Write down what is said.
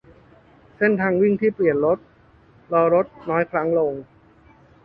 - เส้นทางวิ่งที่เปลี่ยนรถ-รอรถน้อยครั้งลง